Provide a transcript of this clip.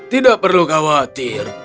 tidak perlu khawatir